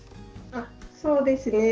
そうですね。